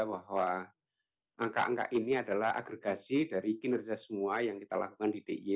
bahwa angka angka ini adalah agregasi dari kinerja semua yang kita lakukan di dia